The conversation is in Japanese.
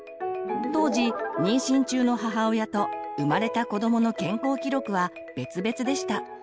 当時妊娠中の母親と生まれた子どもの健康記録は別々でした。